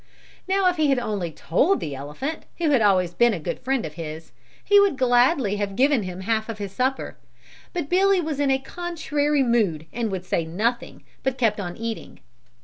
Now if he had only told the elephant, who had always been a good friend of his, he would gladly have given him half of his supper; but Billy was in a contrary mood and would say nothing, but kept on eating.